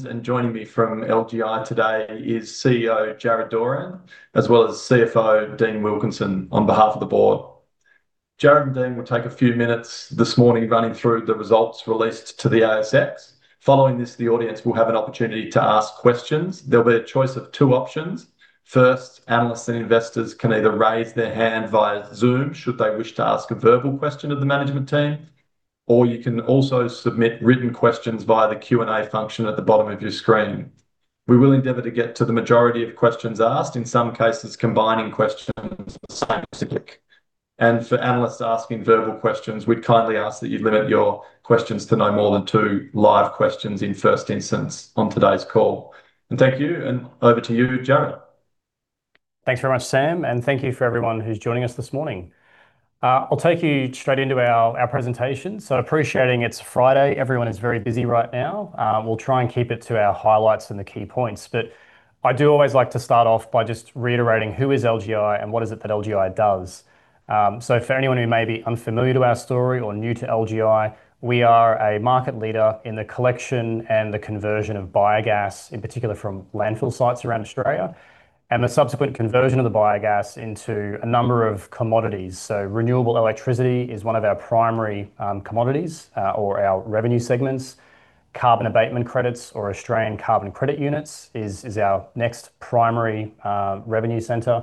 Joining me from LGI today is CEO Jarryd Doran, as well as CFO Dean Wilkinson, on behalf of the board. Jarryd and Dean will take a few minutes this morning running through the results released to the ASX. Following this, the audience will have an opportunity to ask questions. There'll be a choice of 2 options: First, analysts and investors can either raise their hand via Zoom, should they wish to ask a verbal question of the management team, or you can also submit written questions via the Q&A function at the bottom of your screen. We will endeavor to get to the majority of questions asked, in some cases, combining questions specifically. And for analysts asking verbal questions, we'd kindly ask that you limit your questions to no more than 2 live questions in first instance on today's call. And thank you, and over to you, Jarryd. Thanks very much, Sam, and thank you for everyone who's joining us this morning. I'll take you straight into our presentation. So appreciating it's Friday, everyone is very busy right now. We'll try and keep it to our highlights and the key points, but I do always like to start off by just reiterating who is LGI and what is it that LGI does. So for anyone who may be unfamiliar to our story or new to LGI, we are a market leader in the collection and the conversion of biogas, in particular from landfill sites around Australia, and the subsequent conversion of the biogas into a number of commodities. So renewable electricity is one of our primary commodities, or our revenue segments. Carbon abatement credits or Australian Carbon Credit Units is, is our next primary revenue center.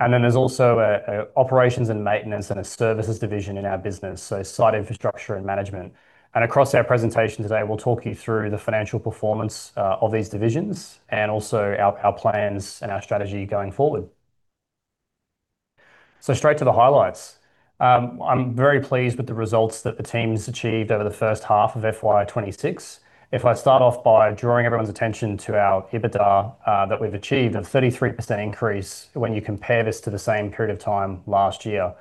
And then there's also a operations and maintenance and a services division in our business, so site infrastructure and management. Across our presentation today, we'll talk you through the financial performance of these divisions and also our plans and our strategy going forward. Straight to the highlights. I'm very pleased with the results that the team's achieved over the first half of FY 2026. If I start off by drawing everyone's attention to our EBITDA that we've achieved, a 33% increase when you compare this to the same period of time last year.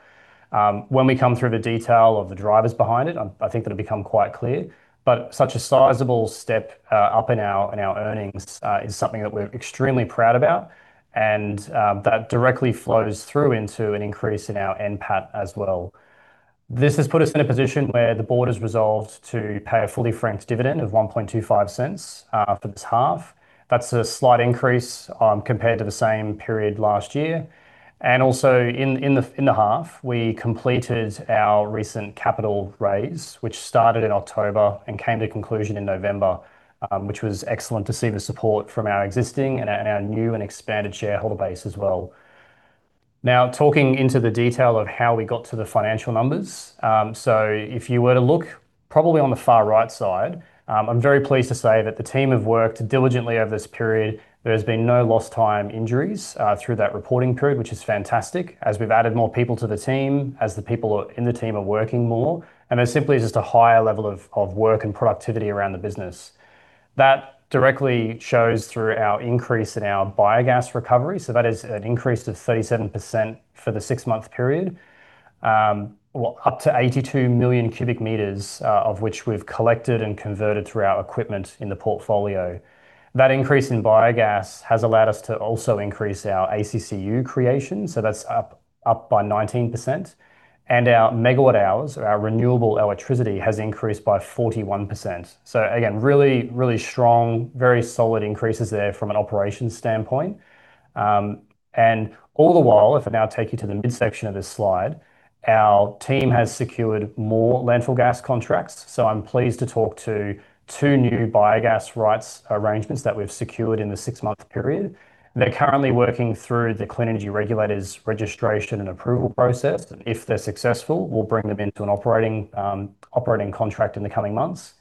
When we come through the detail of the drivers behind it, I think it'll become quite clear. But such a sizable step up in our, in our earnings is something that we're extremely proud about, and that directly flows through into an increase in our NPAT as well. This has put us in a position where the board has resolved to pay a fully franked dividend of 0.0125 for this half. That's a slight increase compared to the same period last year. And also in, in the, in the half, we completed our recent capital raise, which started in October and came to conclusion in November, which was excellent to see the support from our existing and our, our new and expanded shareholder base as well. Now, talking into the detail of how we got to the financial numbers. So if you were to look probably on the far right side, I'm very pleased to say that the team have worked diligently over this period. There's been no lost time injuries through that reporting period, which is fantastic, as we've added more people to the team, as the people in the team are working more, and there's simply just a higher level of, of work and productivity around the business. That directly shows through our increase in our biogas recovery, so that is an increase of 37% for the six-month period. Well, up to 82 million cubic meters of which we've collected and converted through our equipment in the portfolio. That increase in biogas has allowed us to also increase our ACCU creation, so that's up, up by 19%, and our megawatt hours, our renewable electricity, has increased by 41%. So again, really, really strong, very solid increases there from an operations standpoint. And all the while, if I now take you to the midsection of this slide, our team has secured more landfill gas contracts, so I'm pleased to talk to 2 new biogas rights arrangements that we've secured in the 6-month period. They're currently working through the Clean Energy Regulator's registration and approval process, and if they're successful, we'll bring them into an operating contract in the coming months.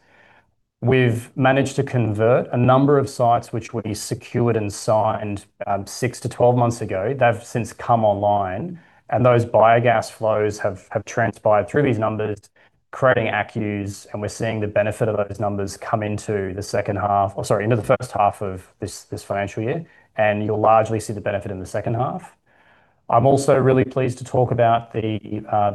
We've managed to convert a number of sites which we secured and signed 6-12 months ago. They've since come online, and those biogas flows have transpired through these numbers, creating ACCUs, and we're seeing the benefit of those numbers come into the second half... or sorry, into the first half of this, this financial year, and you'll largely see the benefit in the second half. I'm also really pleased to talk about the,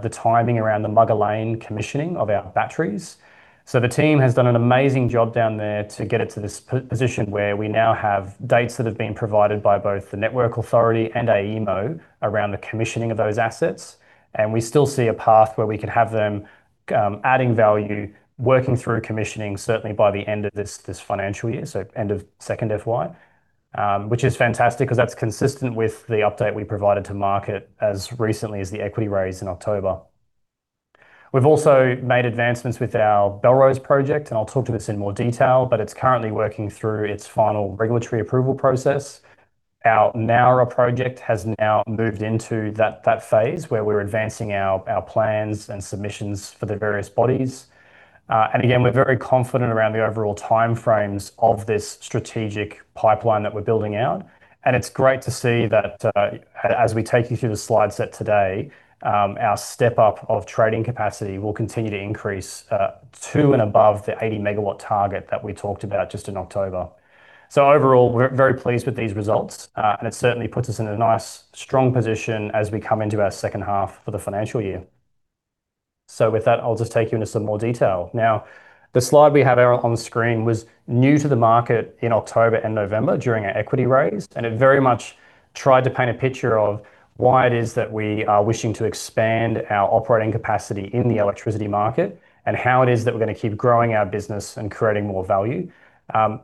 the timing around the Mugga Lane commissioning of our batteries. So the team has done an amazing job down there to get it to this position where we now have dates that have been provided by both the network authority and AEMO around the commissioning of those assets, and we still see a path where we could have them adding value, working through commissioning, certainly by the end of this, this financial year, so end of second FY. Which is fantastic because that's consistent with the update we provided to market as recently as the equity raise in October. We've also made advancements with our Belrose project, and I'll talk to this in more detail, but it's currently working through its final regulatory approval process. Our Nowra project has now moved into that phase, where we're advancing our plans and submissions for the various bodies. And again, we're very confident around the overall time frames of this strategic pipeline that we're building out, and it's great to see that, as we take you through the slide set today, our step up of trading capacity will continue to increase, to and above the 80-megawatt target that we talked about just in October. So overall, we're very pleased with these results, and it certainly puts us in a nice, strong position as we come into our second half for the financial year. So with that, I'll just take you into some more detail. Now, the slide we have on screen was new to the market in October and November during our equity raise, and it very much tried to paint a picture of why it is that we are wishing to expand our operating capacity in the electricity market, and how it is that we're going to keep growing our business and creating more value.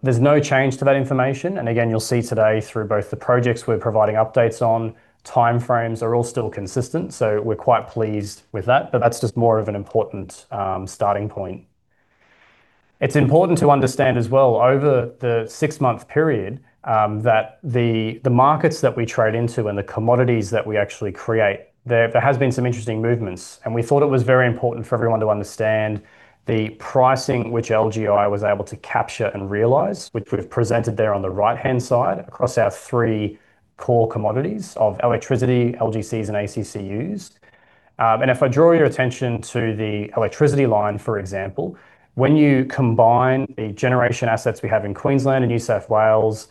There's no change to that information, and again, you'll see today through both the projects we're providing updates on, timeframes are all still consistent, so we're quite pleased with that. But that's just more of an important starting point. It's important to understand as well, over the six-month period, that the markets that we trade into and the commodities that we actually create, there has been some interesting movements. We thought it was very important for everyone to understand the pricing which LGI was able to capture and realize, which we've presented there on the right-hand side across our three core commodities of electricity, LGCs, and ACCUs. If I draw your attention to the electricity line, for example, when you combine the generation assets we have in Queensland and New South Wales,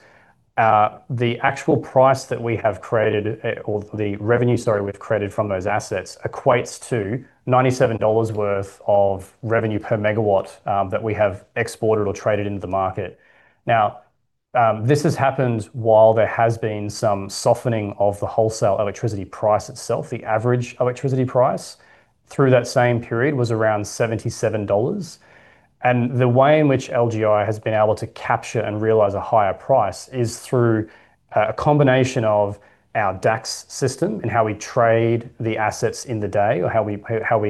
the actual price that we have created, or the revenue, sorry, we've created from those assets equates to 97 dollars worth of revenue per megawatt that we have exported or traded into the market. Now, this has happened while there has been some softening of the wholesale electricity price itself. The average electricity price through that same period was around 77 dollars, and the way in which LGI has been able to capture and realize a higher price is through a combination of our DACS system and how we trade the assets in the day, or how we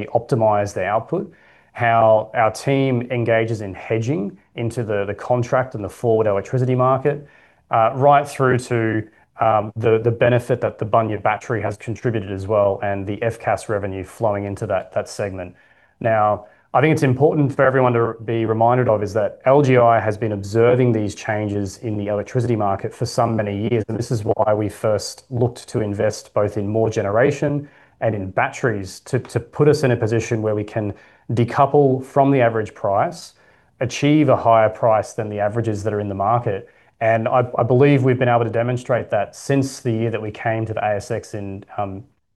optimize the output, how our team engages in hedging into the contract and the forward electricity market, right through to the benefit that the Bunya Battery has contributed as well and the FCAS revenue flowing into that segment. Now, I think it's important for everyone to be reminded of is that LGI has been observing these changes in the electricity market for so many years, and this is why we first looked to invest both in more generation and in batteries, to put us in a position where we can decouple from the average price, achieve a higher price than the averages that are in the market. And I believe we've been able to demonstrate that since the year that we came to the ASX in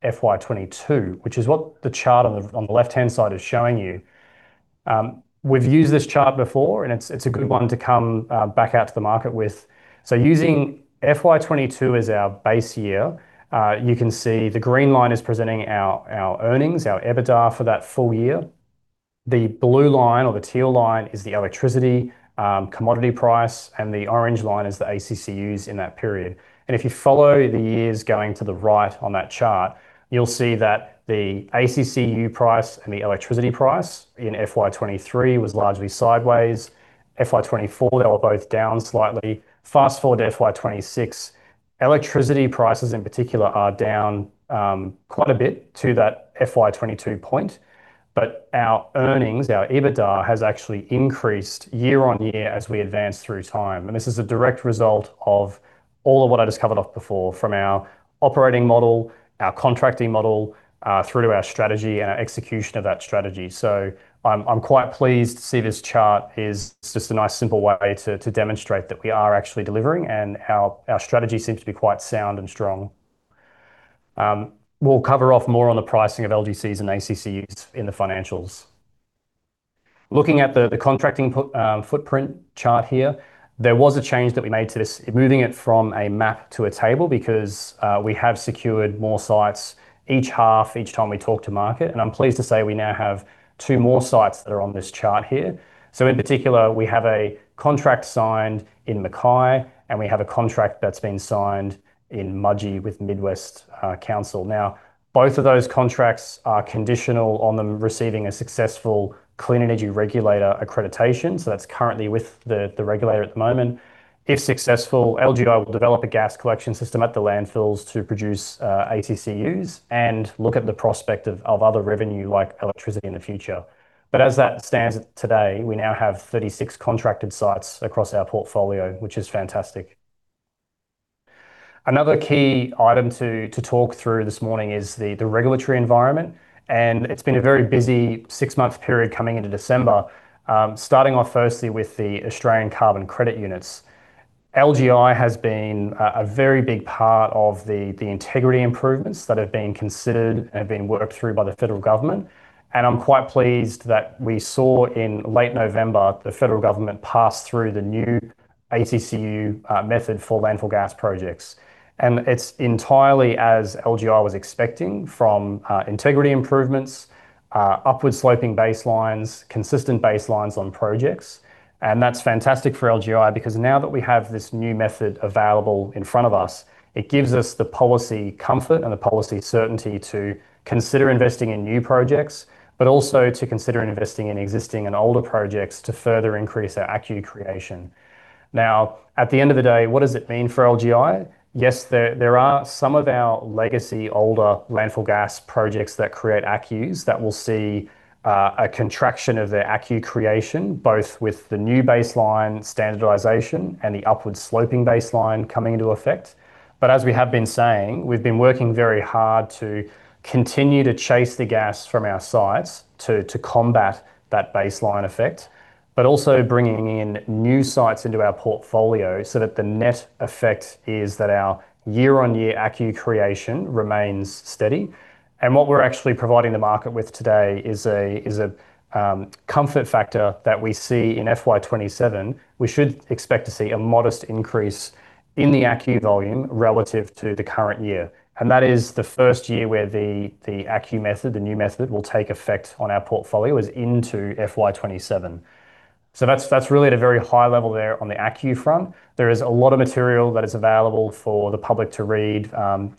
FY 2022, which is what the chart on the left-hand side is showing you. We've used this chart before, and it's a good one to come back out to the market with. So using FY 2022 as our base year, you can see the green line is presenting our, our earnings, our EBITDA for that full year. The blue line, or the teal line, is the electricity commodity price, and the orange line is the ACCUs in that period. And if you follow the years going to the right on that chart, you'll see that the ACCU price and the electricity price in FY 2023 was largely sideways. FY 2024, they were both down slightly. Fast-forward to FY 2026, electricity prices in particular are down quite a bit to that FY 2022 point. But our earnings, our EBITDA, has actually increased year-over-year as we advance through time, and this is a direct result of all of what I just covered off before, from our operating model, our contracting model, through to our strategy and our execution of that strategy. So I'm quite pleased to see this chart. It's just a nice, simple way to demonstrate that we are actually delivering and our strategy seems to be quite sound and strong. We'll cover off more on the pricing of LGCs and ACCUs in the financials. Looking at the contracting footprint chart here, there was a change that we made to this, moving it from a map to a table, because we have secured more sites each half, each time we talk to market, and I'm pleased to say we now have two more sites that are on this chart here. So in particular, we have a contract signed in Mackay, and we have a contract that's been signed in Mudgee with Mid-Western Council. Now, both of those contracts are conditional on them receiving a successful Clean Energy Regulator accreditation, so that's currently with the regulator at the moment. If successful, LGI will develop a gas collection system at the landfills to produce ACCUs, and look at the prospect of other revenue like electricity in the future. But as that stands today, we now have 36 contracted sites across our portfolio, which is fantastic. Another key item to talk through this morning is the regulatory environment, and it's been a very busy six-month period coming into December. Starting off firstly with the Australian Carbon Credit Units. LGI has been a very big part of the integrity improvements that have been considered and have been worked through by the federal government, and I'm quite pleased that we saw in late November, the federal government pass through the new ACCU method for landfill gas projects. It's entirely as LGI was expecting from integrity improvements, upward-sloping baselines, consistent baselines on projects, and that's fantastic for LGI because now that we have this new method available in front of us, it gives us the policy comfort and the policy certainty to consider investing in new projects, but also to consider investing in existing and older projects to further increase our ACCU creation. Now, at the end of the day, what does it mean for LGI? Yes, there, there are some of our legacy, older landfill gas projects that create ACCUs that will see a contraction of their ACCU creation, both with the new baseline standardization and the upward-sloping baseline coming into effect. But as we have been saying, we've been working very hard to continue to chase the gas from our sites-... to combat that baseline effect, but also bringing in new sites into our portfolio, so that the net effect is that our year-on-year ACCU creation remains steady. And what we're actually providing the market with today is a comfort factor that we see in FY 2027. We should expect to see a modest increase in the ACCU volume relative to the current year, and that is the first year where the ACCU method, the new method, will take effect on our portfolio, is into FY 2027. So that's really at a very high level there on the ACCU front. There is a lot of material that is available for the public to read,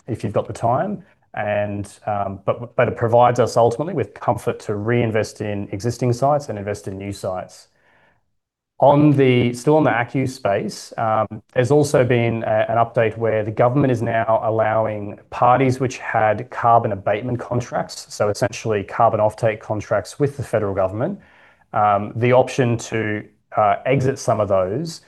if you've got the time, and, but it provides us ultimately with comfort to reinvest in existing sites and invest in new sites. Still on the ACCU space, there's also been an update where the government is now allowing parties which had Carbon Abatement Contracts, so essentially carbon offtake contracts with the federal government, the option to exit some of those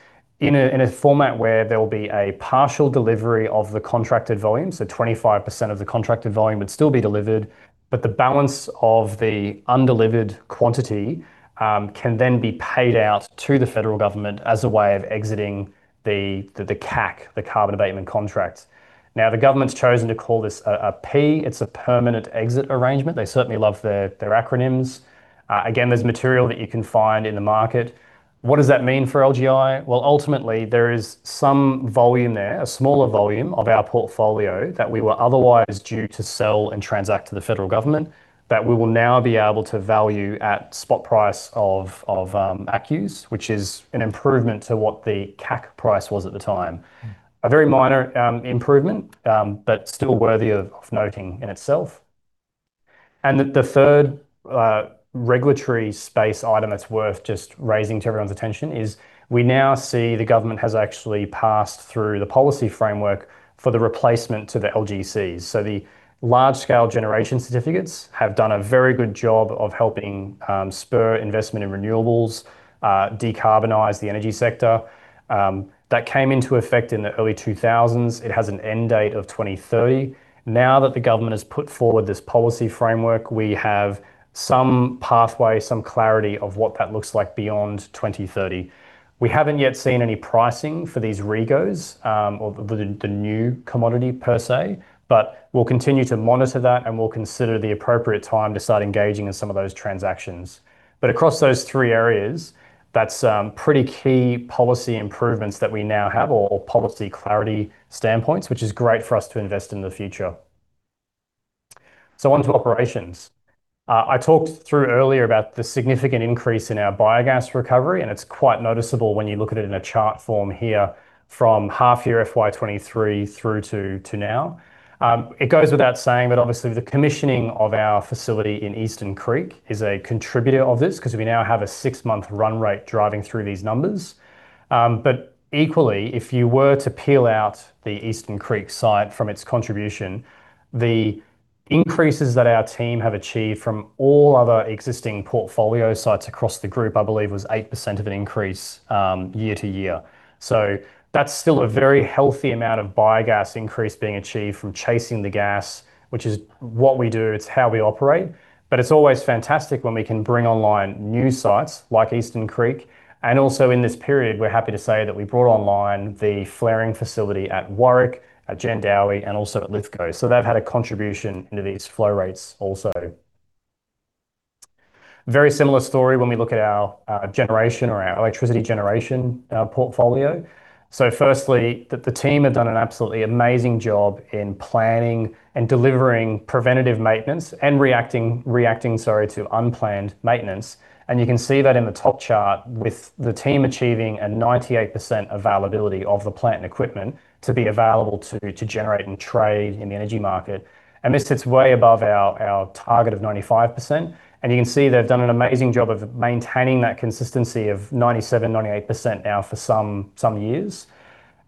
in a format where there will be a partial delivery of the contracted volume. So 25% of the contracted volume would still be delivered, but the balance of the undelivered quantity can then be paid out to the federal government as a way of exiting the CAC, the Carbon Abatement Contracts. Now, the government's chosen to call this a PEA. It's a Permanent Exit Arrangement. They certainly love their acronyms. Again, there's material that you can find in the market. What does that mean for LGI? Well, ultimately, there is some volume there, a smaller volume of our portfolio, that we were otherwise due to sell and transact to the federal government, that we will now be able to value at spot price of ACCUs, which is an improvement to what the CAC price was at the time. A very minor improvement, but still worthy of noting in itself. And the third regulatory space item that's worth just raising to everyone's attention is, we now see the government has actually passed through the policy framework for the replacement to the LGCs. So the Large-scale Generation Certificates have done a very good job of helping spur investment in renewables, decarbonise the energy sector. That came into effect in the early 2000s. It has an end date of 2030. Now that the government has put forward this policy framework, we have some pathway, some clarity of what that looks like beyond 2030. We haven't yet seen any pricing for these REGOs, or the new commodity per se, but we'll continue to monitor that, and we'll consider the appropriate time to start engaging in some of those transactions. But across those three areas, that's pretty key policy improvements that we now have, or policy clarity standpoints, which is great for us to invest in the future. So onto operations. I talked through earlier about the significant increase in our biogas recovery, and it's quite noticeable when you look at it in a chart form here from half year FY23 through to now. It goes without saying that obviously the commissioning of our facility in Eastern Creek is a contributor of this, 'cause we now have a six-month run rate driving through these numbers. But equally, if you were to peel out the Eastern Creek site from its contribution, the increases that our team have achieved from all other existing portfolio sites across the group, I believe, was 8% of an increase, year-over-year. So that's still a very healthy amount of biogas increase being achieved from chasing the gas, which is what we do, it's how we operate, but it's always fantastic when we can bring online new sites like Eastern Creek. And also in this period, we're happy to say that we brought online the flaring facility at Warwick, at Jandowae, and also at Lithgow, so they've had a contribution into these flow rates also. Very similar story when we look at our generation or our electricity generation portfolio. So firstly, the team have done an absolutely amazing job in planning and delivering preventative maintenance and reacting, sorry, to unplanned maintenance. You can see that in the top chart with the team achieving a 98% availability of the plant and equipment to be available to generate and trade in the energy market. This sits way above our target of 95%, and you can see they've done an amazing job of maintaining that consistency of 97%-98% now for some years.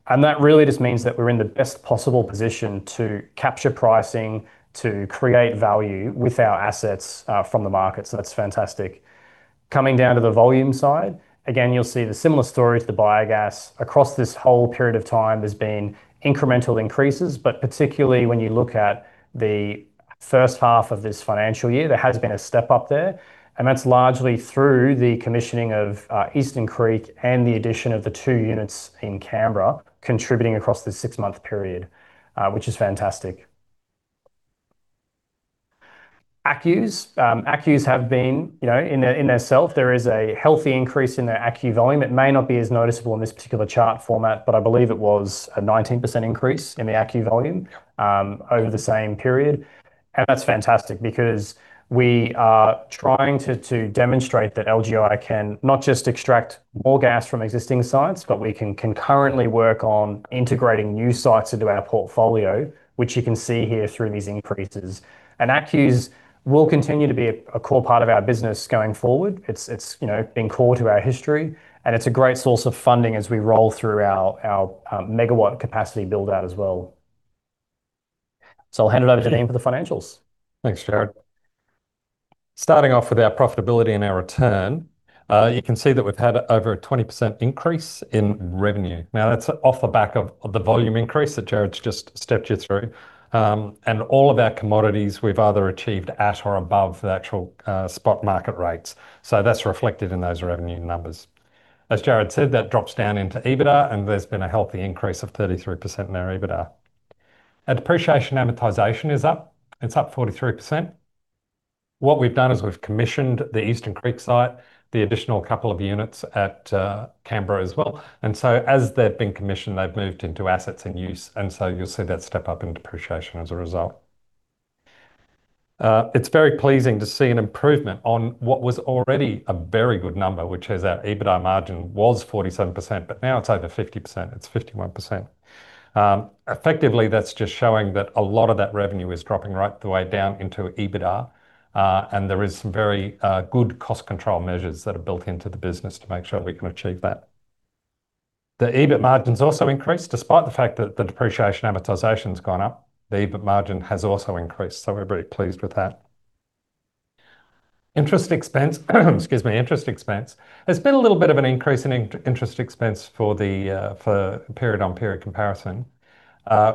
That really just means that we're in the best possible position to capture pricing, to create value with our assets from the market, so that's fantastic. Coming down to the volume side, again, you'll see the similar story to the biogas. Across this whole period of time, there's been incremental increases, but particularly when you look at the first half of this financial year, there has been a step up there, and that's largely through the commissioning of Eastern Creek and the addition of the two units in Canberra contributing across the six-month period, which is fantastic. ACCUs. ACCUs have been, you know, in themselves, there is a healthy increase in their ACCU volume. It may not be as noticeable in this particular chart format, but I believe it was a 19% increase in the ACCU volume over the same period. And that's fantastic because we are trying to demonstrate that LGI can not just extract more gas from existing sites, but we can concurrently work on integrating new sites into our portfolio, which you can see here through these increases. ACCUs will continue to be a, a core part of our business going forward. It's, it's, you know, been core to our history, and it's a great source of funding as we roll through our, our, megawatt capacity build-out as well. So I'll hand it over to Dean for the financials. Thanks, Jarryd. Starting off with our profitability and our return, you can see that we've had over a 20% increase in revenue. Now, that's off the back of, of the volume increase that Jarryd's just stepped you through. And all of our commodities, we've either achieved at or above the actual, spot market rates, so that's reflected in those revenue numbers. As Jarryd said, that drops down into EBITDA, and there's been a healthy increase of 33% in our EBITDA. Our depreciation amortization is up. It's up 43%. What we've done is, we've commissioned the Eastern Creek site, the additional couple of units at, Canberra as well. And so, as they've been commissioned, they've moved into assets and use, and so you'll see that step up in depreciation as a result. It's very pleasing to see an improvement on what was already a very good number, which is our EBITDA margin was 47%, but now it's over 50%. It's 51%. Effectively, that's just showing that a lot of that revenue is dropping right the way down into EBITDA, and there is some very good cost control measures that are built into the business to make sure we can achieve that. The EBIT margins also increased. Despite the fact that the depreciation amortization has gone up, the EBIT margin has also increased, so we're very pleased with that. Interest expense, excuse me. Interest expense. There's been a little bit of an increase in interest expense for the period-on-period comparison.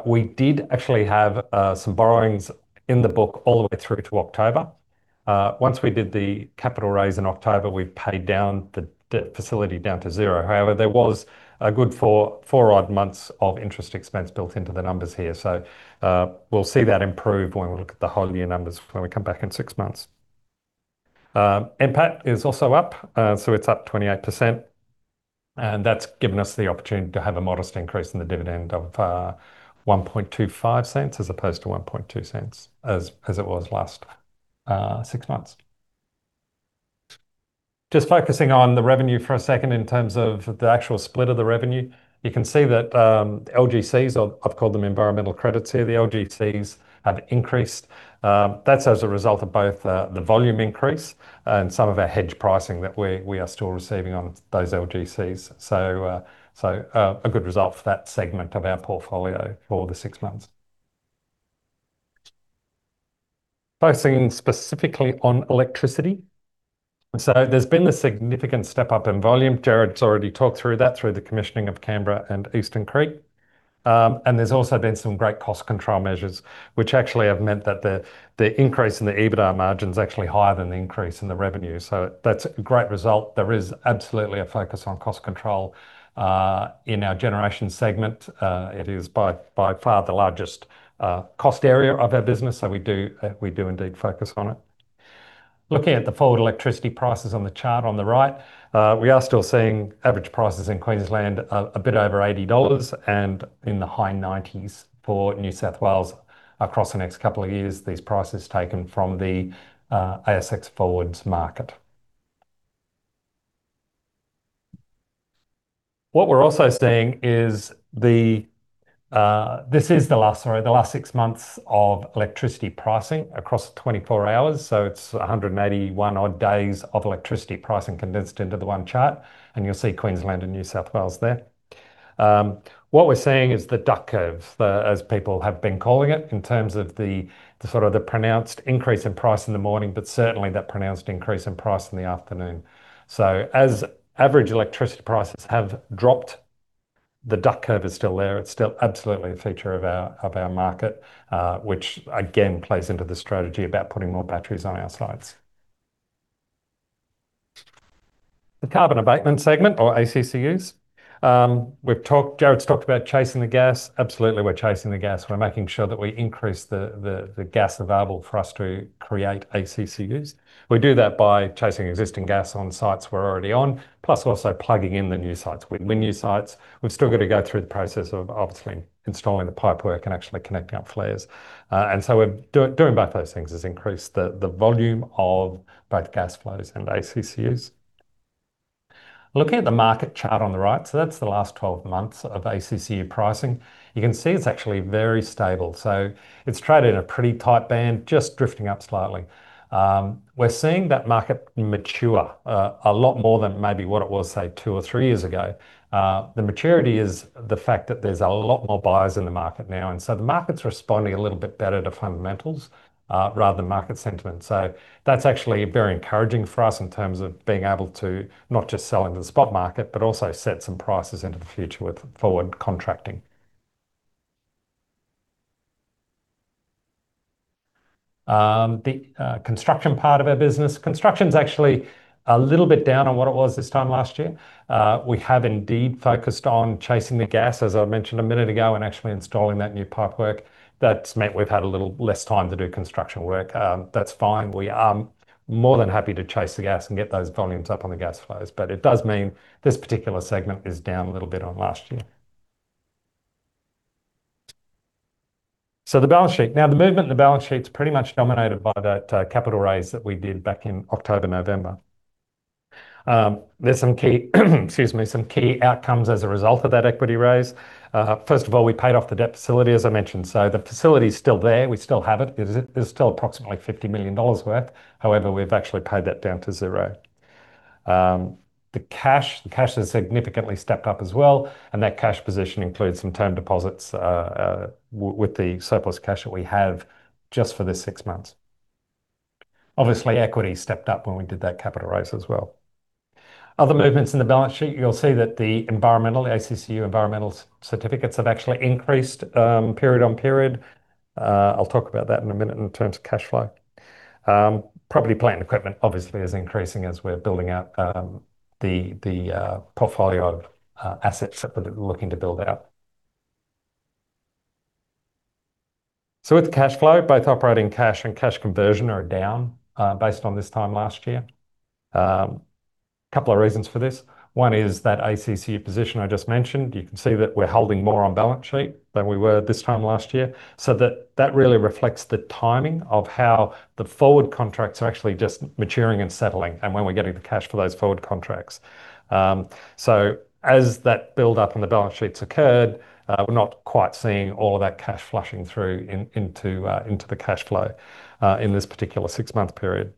We did actually have some borrowings in the book all the way through to October. Once we did the capital raise in October, we've paid down the debt facility down to zero. However, there was a good 4, 4 odd months of interest expense built into the numbers here. So, we'll see that improve when we look at the whole year numbers when we come back in six months. NPAT is also up, so it's up 28%, and that's given us the opportunity to have a modest increase in the dividend of 0.0125, as opposed to 0.012, as it was last six months. Just focusing on the revenue for a second in terms of the actual split of the revenue, you can see that, LGCs, or I've called them environmental credits here, the LGCs have increased. That's as a result of both, the volume increase and some of our hedge pricing that we are still receiving on those LGCs. So, a good result for that segment of our portfolio for the six months. Focusing specifically on electricity. So there's been a significant step up in volume. Jarryd's already talked through that, through the commissioning of Canberra and Eastern Creek. And there's also been some great cost control measures, which actually have meant that the increase in the EBITDA margin is actually higher than the increase in the revenue. So that's a great result. There is absolutely a focus on cost control in our generation segment. It is by far the largest cost area of our business, so we do indeed focus on it. Looking at the forward electricity prices on the chart on the right, we are still seeing average prices in Queensland, a bit over 80 dollars and in the high 90s for New South Wales across the next couple of years, these prices taken from the ASX forwards market. What we're also seeing is the, this is the last, sorry, the last six months of electricity pricing across 24 hours, so it's 181 odd days of electricity pricing condensed into the one chart, and you'll see Queensland and New South Wales there. What we're seeing is the Duck Curve, as people have been calling it, in terms of the sort of the pronounced increase in price in the morning, but certainly that pronounced increase in price in the afternoon. So as average electricity prices have dropped, the Duck Curve is still there. It's still absolutely a feature of our market, which again plays into the strategy about putting more batteries on our sites. The carbon abatement segment or ACCUs. We've talked... Jarryd's talked about chasing the gas. Absolutely, we're chasing the gas. We're making sure that we increase the gas available for us to create ACCUs. We do that by chasing existing gas on sites we're already on, plus also plugging in the new sites. With new sites, we've still got to go through the process of obviously installing the pipework and actually connecting up flares. And so we're doing both those things has increased the volume of both gas flows and ACCUs. Looking at the market chart on the right, so that's the last 12 months of ACCU pricing. You can see it's actually very stable, so it's traded in a pretty tight band, just drifting up slightly. We're seeing that market mature, a lot more than maybe what it was, say, two or three years ago. The maturity is the fact that there's a lot more buyers in the market now, and so the market's responding a little bit better to fundamentals, rather than market sentiment. So that's actually very encouraging for us in terms of being able to not just sell into the spot market, but also set some prices into the future with forward contracting. The construction part of our business. Construction's actually a little bit down on what it was this time last year. We have indeed focused on chasing the gas, as I mentioned a minute ago, and actually installing that new pipework. That's meant we've had a little less time to do construction work. That's fine. We are more than happy to chase the gas and get those volumes up on the gas flows, but it does mean this particular segment is down a little bit on last year. So the balance sheet. Now, the movement in the balance sheet is pretty much dominated by that capital raise that we did back in October, November. There's some key, excuse me, some key outcomes as a result of that equity raise. First of all, we paid off the debt facility, as I mentioned. So the facility is still there. We still have it. There's, there's still approximately 50 million dollars worth. However, we've actually paid that down to zero. The cash, the cash has significantly stepped up as well, and that cash position includes some term deposits with the surplus cash that we have just for this six months. Obviously, equity stepped up when we did that capital raise as well. Other movements in the balance sheet, you'll see that the environmental ACCU environmental certificates have actually increased period on period. I'll talk about that in a minute in terms of cash flow. Property, plant, and equipment obviously is increasing as we're building out the portfolio of assets that we're looking to build out. So with the cash flow, both operating cash and cash conversion are down based on this time last year. A couple of reasons for this. One is that ACCU position I just mentioned. You can see that we're holding more on balance sheet than we were this time last year. So that really reflects the timing of how the forward contracts are actually just maturing and settling, and when we're getting the cash for those forward contracts. So as that build-up on the balance sheets occurred, we're not quite seeing all of that cash flushing through, in, into, into the cash flow, in this particular six-month period.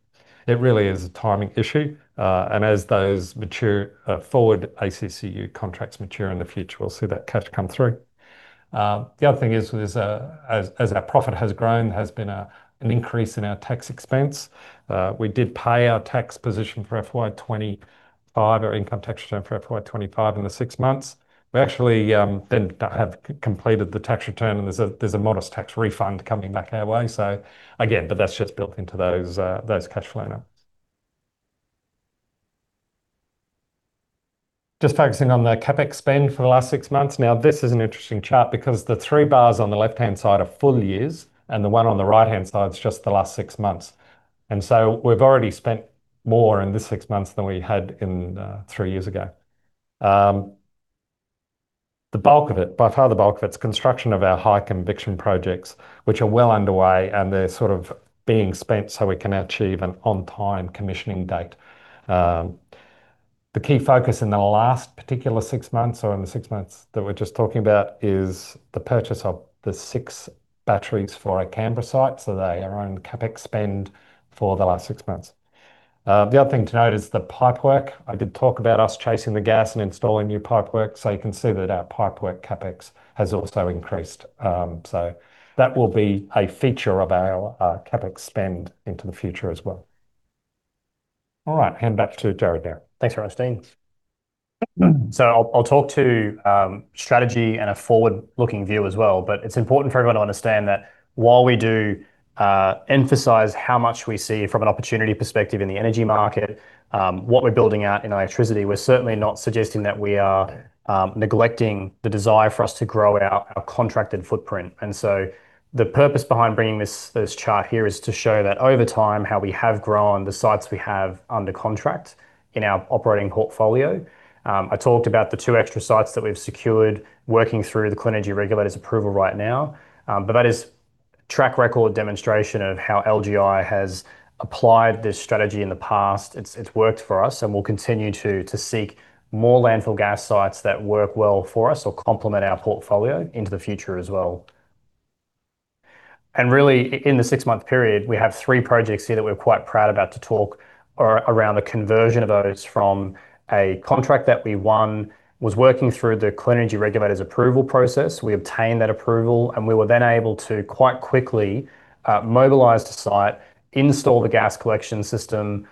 It really is a timing issue, and as those mature, forward ACCU contracts mature in the future, we'll see that cash come through. The other thing is, as our profit has grown, there has been a, an increase in our tax expense. We did pay our tax position for FY 2025, our income tax return for FY 2025 in the six months. We actually then have completed the tax return, and there's a modest tax refund coming back our way, so again, but that's just built into those cash flow numbers. Just focusing on the CapEx spend for the last six months. Now, this is an interesting chart because the three bars on the left-hand side are full years, and the one on the right-hand side is just the last six months. And so we've already spent more in this six months than we had in three years ago. The bulk of it, by far, the bulk of it's construction of our high conviction projects, which are well underway, and they're sort of being spent so we can achieve an on-time commissioning date. The key focus in the last particular six months, or in the six months that we're just talking about, is the purchase of the six batteries for our Canberra site, so they are on CapEx spend for the last six months. The other thing to note is the pipework. I did talk about us chasing the gas and installing new pipework, so you can see that our pipework CapEx has also increased. So that will be a feature of our CapEx spend into the future as well. All right, hand back to Jarryd now. Thanks very much, Dean. So I'll talk to strategy and a forward-looking view as well. But it's important for everyone to understand that while we do emphasize how much we see from an opportunity perspective in the energy market, what we're building out in electricity, we're certainly not suggesting that we are neglecting the desire for us to grow our contracted footprint. And so the purpose behind bringing this chart here is to show that over time, how we have grown the sites we have under contract in our operating portfolio. I talked about the two extra sites that we've secured working through the Clean Energy Regulator's approval right now, but that is track record demonstration of how LGI has applied this strategy in the past. It's worked for us, and we'll continue to seek more landfill gas sites that work well for us or complement our portfolio into the future as well. And really, in the six-month period, we have three projects here that we're quite proud about to talk around the conversion of those from a contract that we won, was working through the Clean Energy Regulator's approval process. We obtained that approval, and we were then able to quite quickly mobilize the site, install the gas collection system,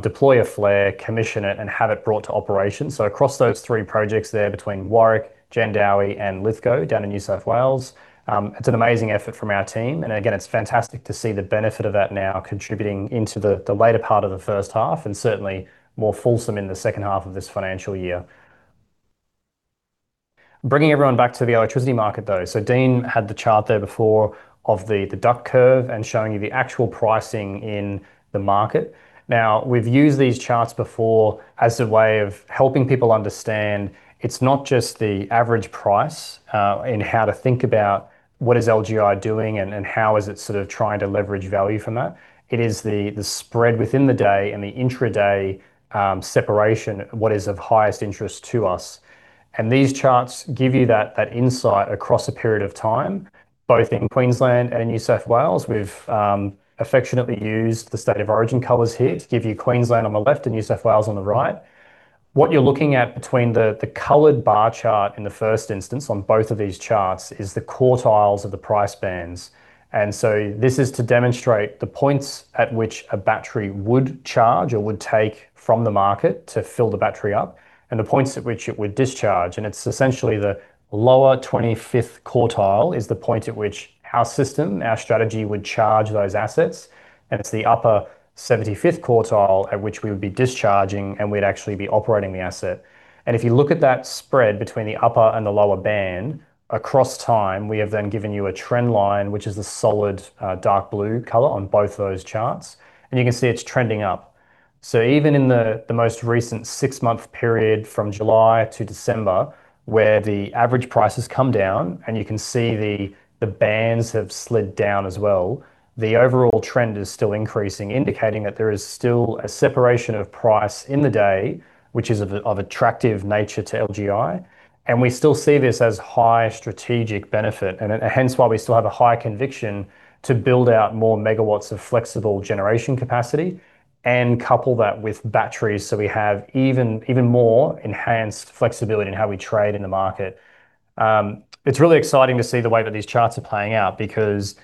deploy a flare, commission it, and have it brought to operation. So across those three projects there between Warwick, Jandowae, and Lithgow, down in New South Wales, it's an amazing effort from our team. And again, it's fantastic to see the benefit of that now contributing into the later part of the first half, and certainly more fulsome in the second half of this financial year. Bringing everyone back to the electricity market, though. Dean had the chart there before of the Duck Curve and showing you the actual pricing in the market. Now, we've used these charts before as a way of helping people understand it's not just the average price, and how to think about what is LGI doing and how is it sort of trying to leverage value from that. It is the spread within the day and the intra-day separation, what is of highest interest to us. And these charts give you that insight across a period of time, both in Queensland and in New South Wales. We've affectionately used the State of Origin colors here to give you Queensland on the left and New South Wales on the right. What you're looking at between the colored bar chart in the first instance on both of these charts is the quartiles of the price bands. So this is to demonstrate the points at which a battery would charge or would take from the market to fill the battery up and the points at which it would discharge. It's essentially the lower 25th quartile is the point at which our system, our strategy, would charge those assets, and it's the upper 75th quartile at which we would be discharging and we'd actually be operating the asset. And if you look at that spread between the upper and the lower band across time, we have then given you a trend line, which is the solid, dark blue color on both those charts, and you can see it's trending up. So even in the most recent six-month period from July to December, where the average price has come down and you can see the bands have slid down as well, the overall trend is still increasing, indicating that there is still a separation of price in the day, which is of attractive nature to LGI, and we still see this as high strategic benefit, and hence why we still have a high conviction to build out more megawatts of flexible generation capacity. And couple that with batteries, so we have even more enhanced flexibility in how we trade in the market. It's really exciting to see the way that these charts are playing out, because,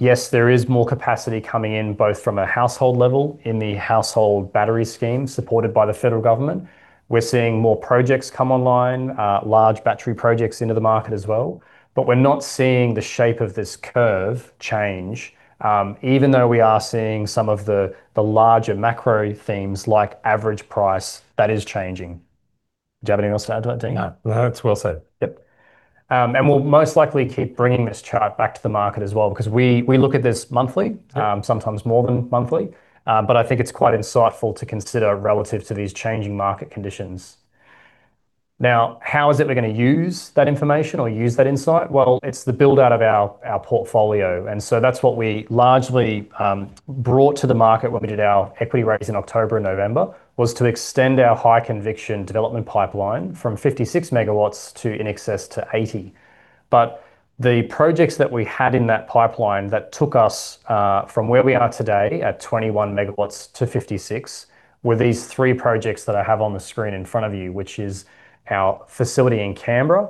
yes, there is more capacity coming in, both from a household level in the household battery scheme supported by the federal government. We're seeing more projects come online, large battery projects into the market as well, but we're not seeing the shape of this curve change, even though we are seeing some of the larger macro themes like average price that is changing. Do you have anything else to add to that, Dean? No, that's well said. Yep. And we'll most likely keep bringing this chart back to the market as well, because we, we look at this monthly, sometimes more than monthly, but I think it's quite insightful to consider relative to these changing market conditions. Now, how is it we're going to use that information or use that insight? Well, it's the build-out of our, our portfolio, and so that's what we largely brought to the market when we did our equity raise in October and November, was to extend our high conviction development pipeline from 56 megawatts to in excess of 80. But the projects that we had in that pipeline that took us from where we are today at 21 megawatts to 56 were these three projects that I have on the screen in front of you, which is our facility in Canberra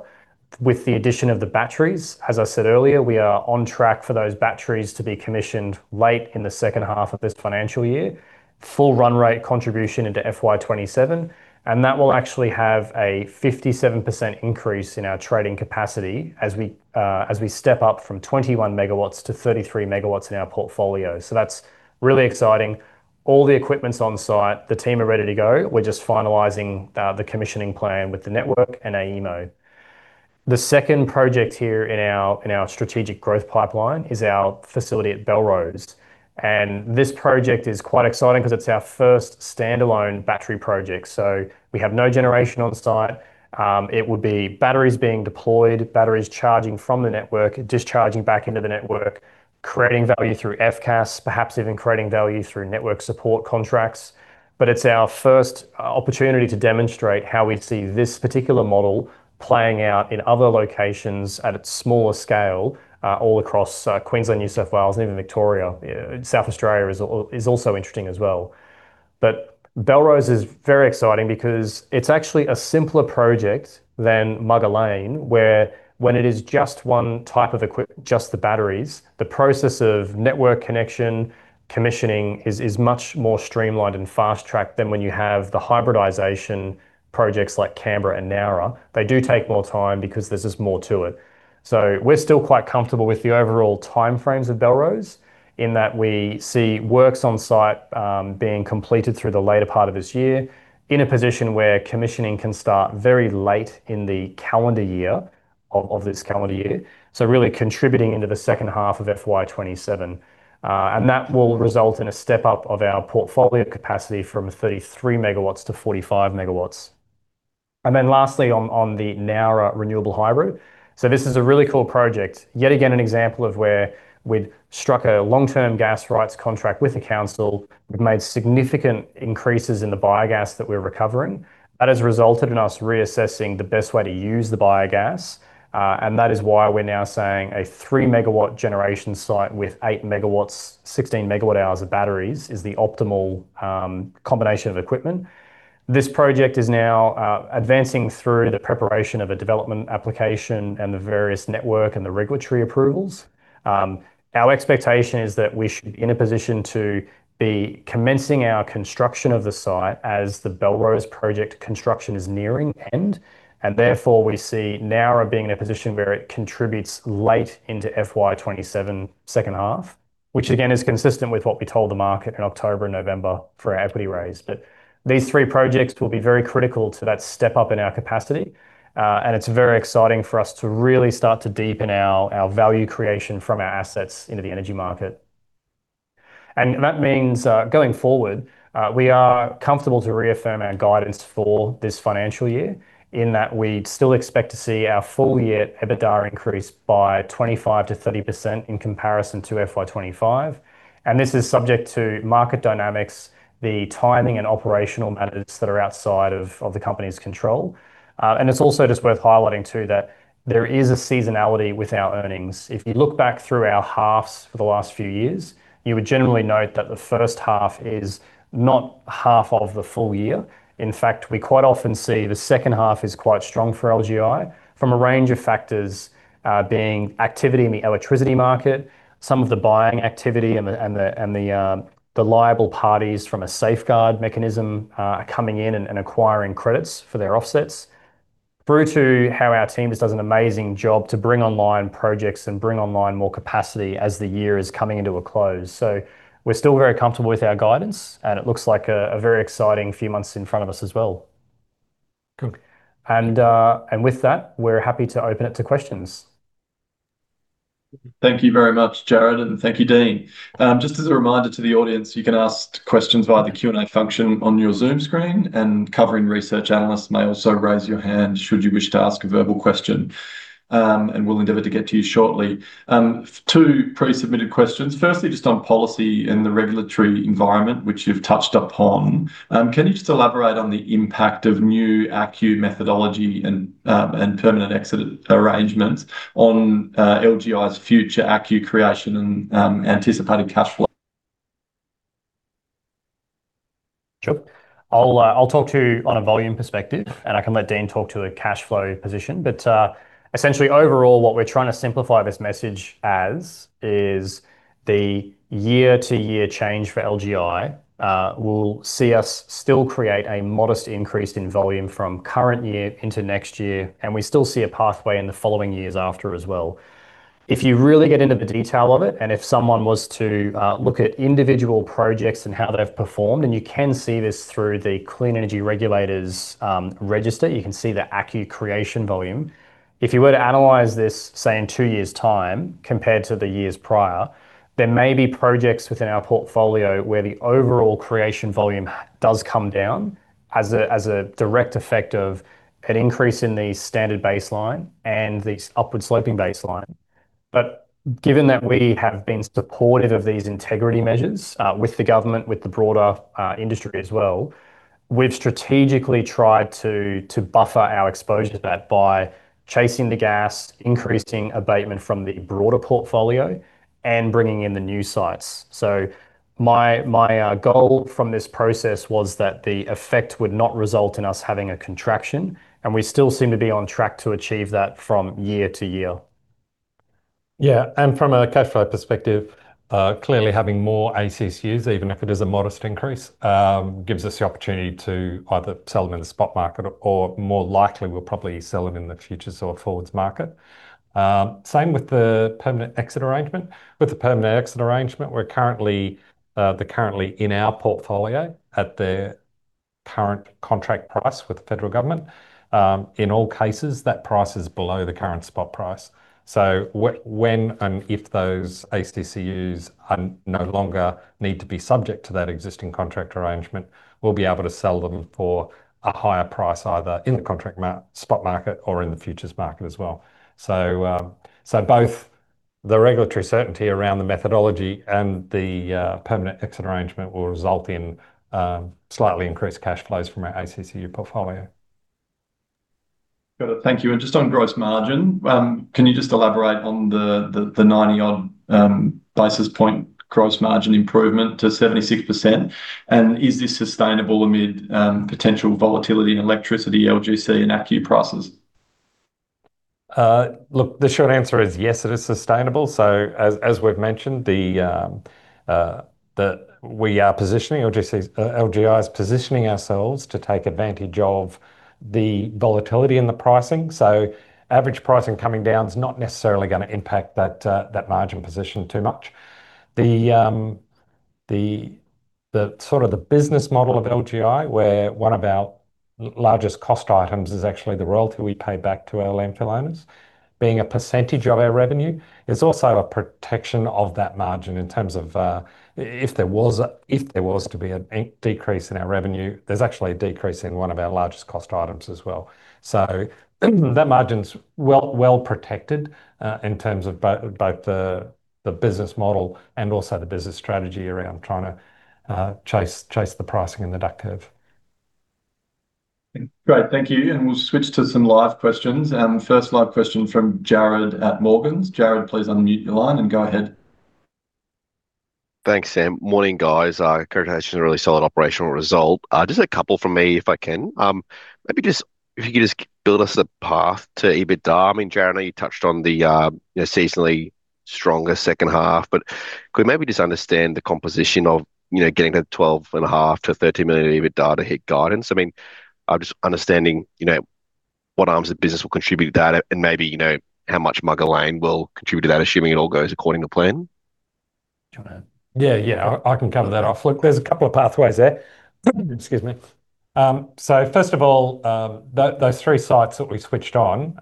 with the addition of the batteries. As I said earlier, we are on track for those batteries to be commissioned late in the second half of this financial year. Full run rate contribution into FY 2027, and that will actually have a 57% increase in our trading capacity as we step up from 21 megawatts to 33 megawatts in our portfolio. So that's really exciting. All the equipment's on site, the team are ready to go. We're just finalizing the commissioning plan with the network and AEMO. The second project here in our strategic growth pipeline is our facility at Belrose and this project is quite exciting because it's our first standalone battery project, so we have no generation on site. It would be batteries being deployed, batteries charging from the network, discharging back into the network, creating value through FCAS, perhaps even creating value through network support contracts. But it's our first opportunity to demonstrate how we see this particular model playing out in other locations at a smaller scale, all across Queensland, New South Wales and even Victoria. South Australia is also interesting as well. But Belrose is very exciting because it's actually a simpler project than Mugga Lane, where when it is just one type of equip-- just the batteries, the process of network connection commissioning is, is much more streamlined and fast-tracked than when you have the hybridization projects like Canberra and Nowra. They do take more time because there's just more to it. So we're still quite comfortable with the overall timeframes of Belrose, in that we see works on site, being completed through the later part of this year, in a position where commissioning can start very late in the calendar year, of, of this calendar year, so really contributing into the second half of FY 2027. And that will result in a step up of our portfolio capacity from 33 MW to 45 MW. And then lastly, on, on the Nowra Renewable Hybrid. So this is a really cool project. Yet again, an example of where we've struck a long-term gas rights contract with the council. We've made significant increases in the biogas that we're recovering. That has resulted in us reassessing the best way to use the biogas, and that is why we're now saying a 3-MW generation site with 8 MW, 16 MWh of batteries, is the optimal combination of equipment. This project is now advancing through the preparation of a development application and the various network and the regulatory approvals. Our expectation is that we should be in a position to be commencing our construction of the site as the Belrose project construction is nearing end, and therefore, we see Nowra being in a position where it contributes late into FY 2027 second half, which again is consistent with what we told the market in October and November for our equity raise. But these three projects will be very critical to that step up in our capacity, and it's very exciting for us to really start to deepen our, our value creation from our assets into the energy market. And that means, going forward, we are comfortable to reaffirm our guidance for this financial year, in that we still expect to see our full-year EBITDA increase by 25%-30% in comparison to FY25, and this is subject to market dynamics, the timing and operational matters that are outside of the company's control. And it's also just worth highlighting, too, that there is a seasonality with our earnings. If you look back through our halves for the last few years, you would generally note that the first half is not half of the full year. In fact, we quite often see the second half is quite strong for LGI, from a range of factors, being activity in the electricity market, some of the buying activity and the liable parties from a Safeguard Mechanism, coming in and acquiring credits for their offsets, through to how our team just does an amazing job to bring online projects and bring online more capacity as the year is coming into a close. So we're still very comfortable with our guidance, and it looks like a very exciting few months in front of us as well. Good. And with that, we're happy to open it to questions. Thank you very much, Jarryd, and thank you, Dean. Just as a reminder to the audience, you can ask questions via the Q&A function on your Zoom screen, and covering research analysts may also raise your hand should you wish to ask a verbal question, and we'll endeavor to get to you shortly. Two pre-submitted questions. Firstly, just on policy and the regulatory environment, which you've touched upon. Can you just elaborate on the impact of new ACCU methodology and Permanent Exit Arrangement on LGI's future ACCU creation and anticipated cash flow? I'll, I'll talk to on a volume perspective, and I can let Dean talk to a cash flow position. But, essentially, overall, what we're trying to simplify this message as is the year-to-year change for LGI, will see us still create a modest increase in volume from current year into next year, and we still see a pathway in the following years after as well. If you really get into the detail of it, and if someone was to, look at individual projects and how they've performed, and you can see this through the Clean Energy Regulator's, register, you can see the ACCU creation volume. If you were to analyze this, say, in two years' time compared to the years prior, there may be projects within our portfolio where the overall creation volume does come down as a direct effect of an increase in the standard baseline and the upward-sloping baseline. But given that we have been supportive of these integrity measures with the government, with the broader industry as well, we've strategically tried to buffer our exposure to that by chasing the gas, increasing abatement from the broader portfolio, and bringing in the new sites. So my goal from this process was that the effect would not result in us having a contraction, and we still seem to be on track to achieve that from year to year. Yeah, and from a cash flow perspective, clearly having more ACCUs, even if it is a modest increase, gives us the opportunity to either sell them in the spot market, or more likely, we'll probably sell them in the futures or forwards market. Same with the Permanent Exit Arrangement. With the Permanent Exit Arrangement, we're currently, they're currently in our portfolio at their current contract price with the federal government. In all cases, that price is below the current spot price. So when and if those ACCUs no longer need to be subject to that existing contract arrangement, we'll be able to sell them for a higher price, either in the spot market or in the futures market as well. Both the regulatory certainty around the methodology and the Permanent Exit Arrangement will result in slightly increased cash flows from our ACCU portfolio. Got it. Thank you. And just on gross margin, can you just elaborate on the ninety-odd basis point gross margin improvement to 76%? And is this sustainable amid potential volatility in electricity, LGC, and ACCU prices? Look, the short answer is yes, it is sustainable. So as we've mentioned, that we are positioning, or just, LGI is positioning ourselves to take advantage of the volatility in the pricing. So average pricing coming down is not necessarily going to impact that margin position too much. The sort of the business model of LGI, where one of our largest cost items is actually the royalty we pay back to our landfill owners. Being a percentage of our revenue, it's also a protection of that margin in terms of, if there was to be a decrease in our revenue, there's actually a decrease in one of our largest cost items as well. So the margin's well, well protected in terms of both the business model and also the business strategy around trying to chase the pricing in the Duck Curve. Great, thank you, and we'll switch to some live questions. First live question from Jarrod at Morgans. Jarrod, please unmute your line and go ahead. Thanks, Sam. Morning, guys. Congratulations on a really solid operational result. Just a couple from me, if I can. Maybe just if you could just build us a path to EBITDA. I mean, Jarryd, I know you touched on the, you know, seasonally stronger second half, but could we maybe just understand the composition of, you know, getting to 12.5 million-13 million EBITDA hit guidance? I mean, I'm just understanding, you know, what arms of business will contribute to that and maybe, you know, how much Mugga Lane will contribute to that, assuming it all goes according to plan. Do you want to...? Yeah, yeah, I can cover that off. Look, there's a couple of pathways there. Excuse me. So first of all, those three sites that we switched on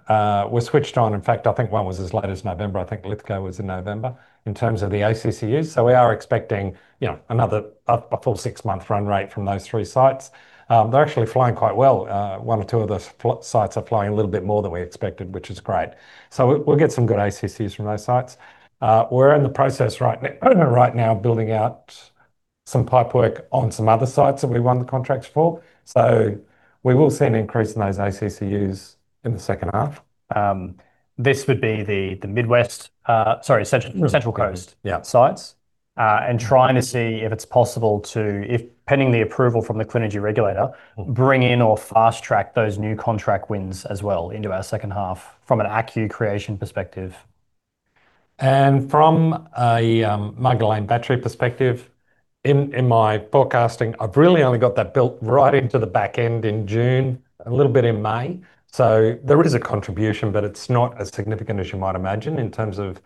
were switched on. In fact, I think one was as late as November. I think Lithgow was in November, in terms of the ACCUs. So we are expecting, you know, another full six-month run rate from those three sites. They're actually flying quite well. One or two of the sites are flying a little bit more than we expected, which is great. So we'll get some good ACCUs from those sites. We're in the process right now, building out some pipework on some other sites that we won the contracts for, so we will see an increase in those ACCUs in the second half. This would be the Mid-West, sorry, Central Coast sites. And trying to see if it's possible to, if pending the approval from the Clean Energy Regulator, bring in or fast-track those new contract wins as well into our second half from an ACCU creation perspective. From a Mugga Lane Battery perspective, in my forecasting, I've really only got that built right into the back end in June and a little bit in May. So there is a contribution, but it's not as significant as you might imagine in terms of,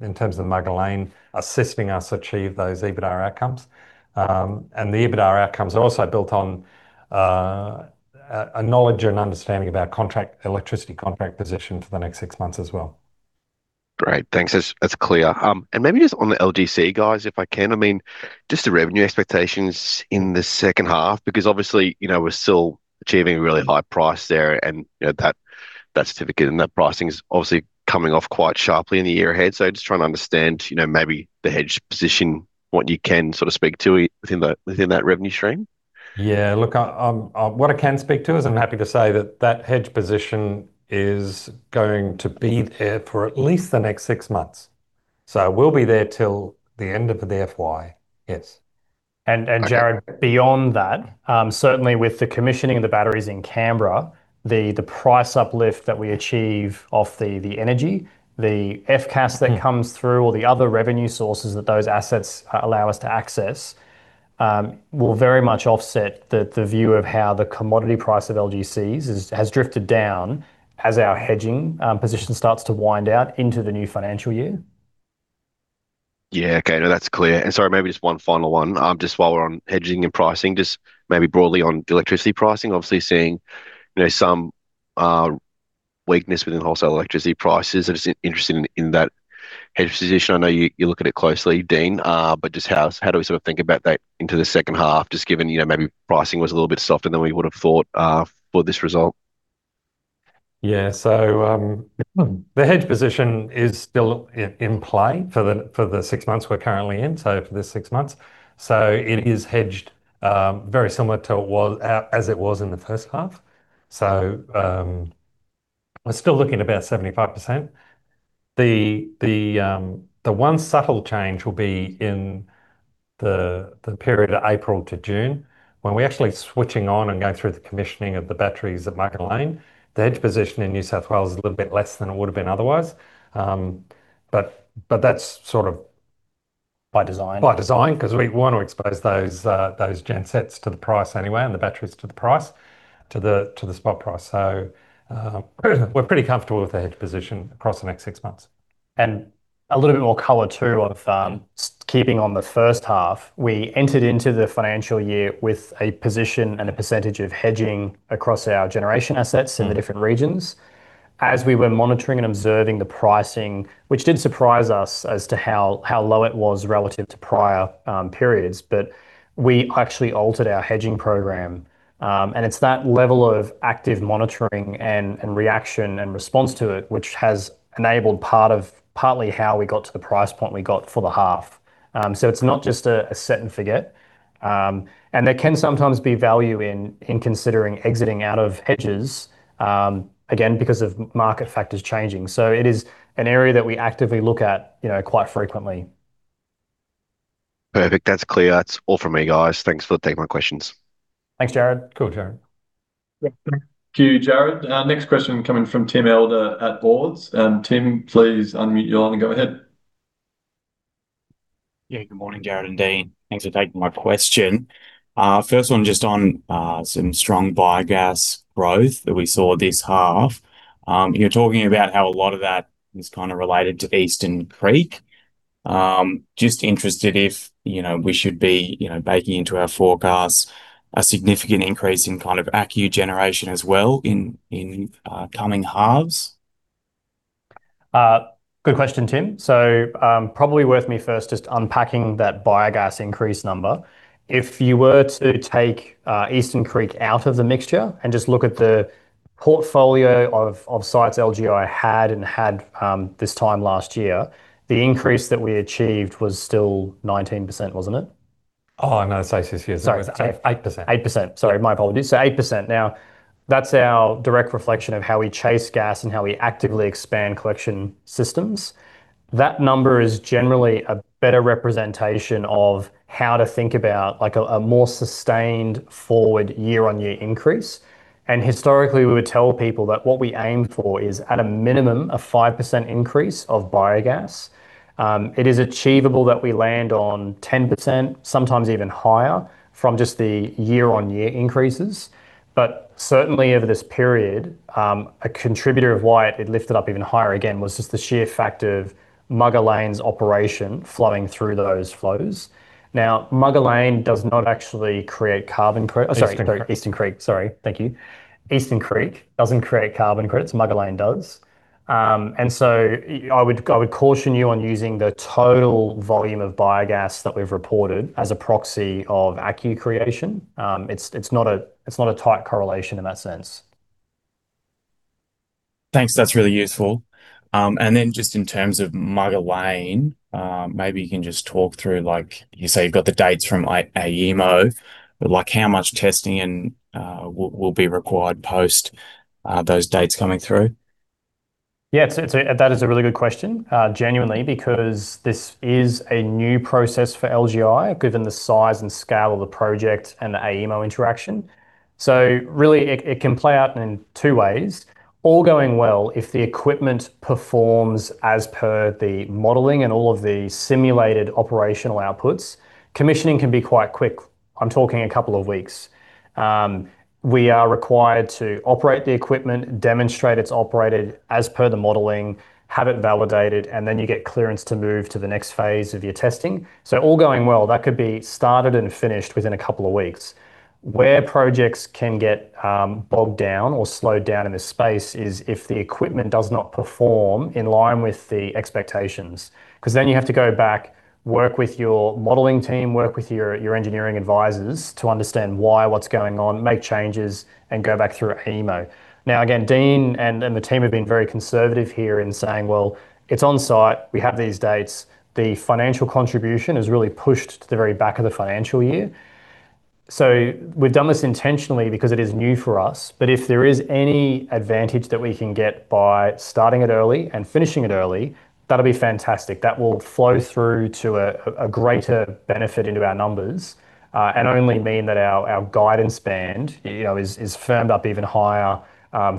in terms of Mugga Lane assisting us achieve those EBITDA outcomes. And the EBITDA outcomes are also built on a knowledge and understanding of our electricity contract position for the next six months as well. Great, thanks. That's, that's clear. And maybe just on the LGC, guys, if I can. I mean, just the revenue expectations in the second half, because obviously, you know, we're still achieving a really high price there, and, you know, that, that certificate and that pricing is obviously coming off quite sharply in the year ahead. So just trying to understand, you know, maybe the hedge position, what you can sort of speak to within that, within that revenue stream. Yeah, look, what I can speak to is I'm happy to say that that hedge position is going to be there for at least the next six months so we'll be there till the end of the FY, yes. And, and Jarryd, beyond that, certainly with the commissioning of the batteries in Canberra, the price uplift that we achieve off the energy, the FCAS that comes through, or the other revenue sources that those assets allow us to access, will very much offset the view of how the commodity price of LGCs has drifted down as our hedging position starts to wind out into the new financial year. Yeah, okay. No, that's clear. And sorry, maybe just one final one, just while we're on hedging and pricing, just maybe broadly on electricity pricing. Obviously, seeing, you know, some weakness within wholesale electricity prices, I'm just interested in that hedge position. I know you look at it closely, Dean, but just how do we sort of think about that into the second half, just given, you know, maybe pricing was a little bit softer than we would've thought for this result? Yeah. So, the hedge position is still in play for the, for the six months we're currently in, so for this six months. So it is hedged, very similar to it was, as it was in the first half. So, we're still looking about 75%. The one subtle change will be in the period of April to June, when we're actually switching on and going through the commissioning of the batteries at Mugga Lane. The hedge position in New South Wales is a little bit less than it would've been otherwise. But that's sort of by design. By design, 'cause we want to expose those gensets to the price anyway, and the batteries to the price, to the spot price. So, we're pretty comfortable with the hedge position across the next six months. And a little bit more color too, of, keeping on the first half, we entered into the financial year with a position and a percentage of hedging across our generation assets in the different regions. As we were monitoring and observing the pricing, which did surprise us as to how low it was relative to prior periods, but we actually altered our hedging program. And it's that level of active monitoring and reaction and response to it, which has enabled partly how we got to the price point we got for the half. So it's not just a set and forget. And there can sometimes be value in considering exiting out of hedges, again, because of market factors changing. It is an area that we actively look at, you know, quite frequently. Perfect. That's clear. That's all from me, guys. Thanks for taking my questions. Thanks, Jarryd. Cool Thank you, Jarryd. Our next question coming from Tim Elder at Ord. Tim, please unmute your line and go ahead. Yeah. Good morning, Jarryd and Dean. Thanks for taking my question. First one, just on some strong biogas growth that we saw this half. You're talking about how a lot of that is kind of related to Eastern Creek. Just interested if, you know, we should be, you know, baking into our forecast a significant increase in kind of ACCU generation as well in, in coming halves? Good question, Tim. So, probably worth me first just unpacking that biogas increase number. If you were to take Eastern Creek out of the mixture and just look at the portfolio of sites LGI had this time last year, the increase that we achieved was still 19%, wasn't it? Oh, no, it's actually - Sorry. 8%. 8%. Sorry, my apologies. So 8%. Now, that's our direct reflection of how we chase gas and how we actively expand collection systems. That number is generally a better representation of how to think about, like, a more sustained forward year-on-year increase. And historically, we would tell people that what we aim for is, at a minimum, a 5% increase of biogas. It is achievable that we land on 10%, sometimes even higher, from just the year-on-year increases. But certainly, over this period, a contributor of why it lifted up even higher again, was just the sheer fact of Mugga Lane's operation flowing through those flows. Now, Mugga Lane does not actually create carbon credit- Eastern Creek. Sorry, Eastern Creek. Sorry. Thank you. Eastern Creek doesn't create carbon credits, Mugga Lane does. And so I would caution you on using the total volume of biogas that we've reported as a proxy of ACCU creation. It's not a tight correlation in that sense. Thanks. That's really useful. And then just in terms of Mugga Lane, maybe you can just talk through, like, you say you've got the dates from AEMO, but, like, how much testing and will be required post those dates coming through? Yeah, so, so that is a really good question, genuinely, because this is a new process for LGI, given the size and scale of the project and the AEMO interaction. So really, it, it can play out in two ways. All going well, if the equipment performs as per the modeling and all of the simulated operational outputs, commissioning can be quite quick. I'm talking a couple of weeks. We are required to operate the equipment, demonstrate it's operated as per the modeling, have it validated, and then you get clearance to move to the next phase of your testing. So all going well, that could be started and finished within a couple of weeks. Where projects can get bogged down or slowed down in this space is if the equipment does not perform in line with the expectations, 'cause then you have to go back, work with your modeling team, work with your engineering advisors to understand why, what's going on, make changes, and go back through AEMO. Now, again, Dean and the team have been very conservative here in saying, "Well, it's on site. We have these dates." The financial contribution is really pushed to the very back of the financial year. So we've done this intentionally because it is new for us, but if there is any advantage that we can get by starting it early and finishing it early, that'll be fantastic. That will flow through to a greater benefit into our numbers, and only mean that our guidance band, you know, is firmed up even higher,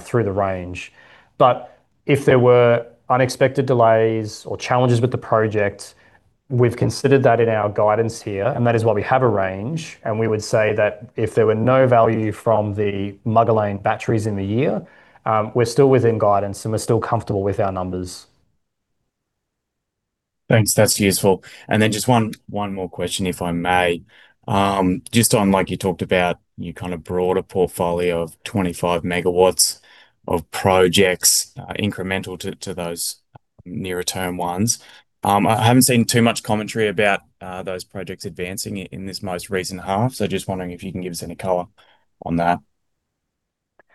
through the range. But if there were unexpected delays or challenges with the project, we've considered that in our guidance here, and that is why we have a range, and we would say that if there were no value from the Mugga Lane batteries in the year, we're still within guidance and we're still comfortable with our numbers. Thanks, that's useful. And then just one, one more question, if I may. Just on, like you talked about, your kind of broader portfolio of 25 megawatts of projects, incremental to, to those nearer-term ones. I haven't seen too much commentary about, those projects advancing in this most recent half, so just wondering if you can give us any color on that?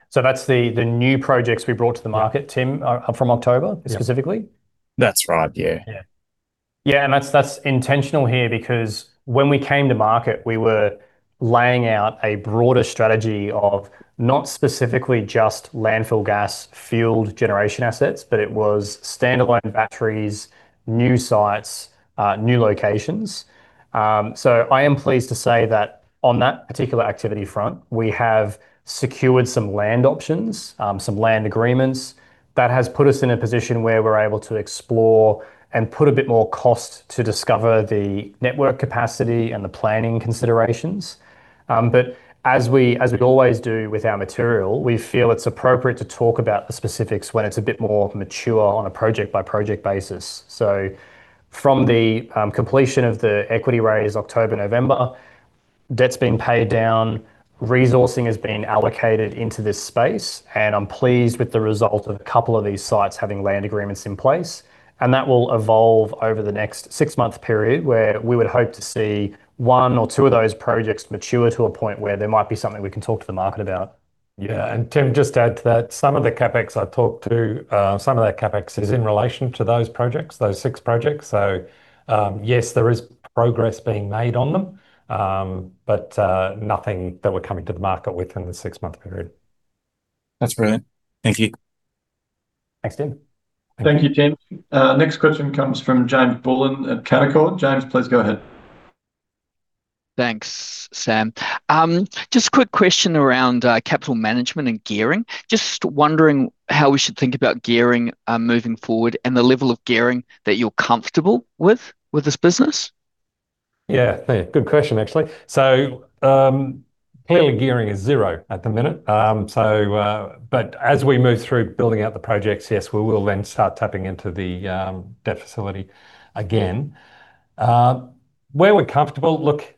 So that's the new projects we brought to the market, Tim, from October specifically? That's right. Yeah. Yeah, and that's intentional here, because when we came to market, we were laying out a broader strategy of not specifically just landfill gas field generation assets, but it was standalone batteries, new sites, new locations. So I am pleased to say that on that particular activity front, we have secured some land options, some land agreements. That has put us in a position where we're able to explore and put a bit more cost to discover the network capacity and the planning considerations. But as we'd always do with our material, we feel it's appropriate to talk about the specifics when it's a bit more mature on a project-by-project basis. So from the completion of the equity raise, October, November, debt's been paid down, resourcing has been allocated into this space, and I'm pleased with the result of a couple of these sites having land agreements in place, and that will evolve over the next six-month period, where we would hope to see one or two of those projects mature to a point where there might be something we can talk to the market about. Yeah, and Tim, just to add to that, some of the CapEx I talked to, some of that CapEx is in relation to those projects, those six projects. So, yes, there is progress being made on them, but nothing that we're coming to the market with in the six-month period. That's brilliant. Thank you. Thanks, Tim. Thank you, Tim. Next question comes from James Bullen at Canaccord. James, please go ahead. Thanks, Sam. Just a quick question around capital management and gearing. Just wondering how we should think about gearing moving forward and the level of gearing that you're comfortable with, with this business? Yeah, hey, good question, actually. So, clearly, gearing is 0 at the minute. So, but as we move through building out the projects, yes, we will then start tapping into the debt facility again. Where we're comfortable, look,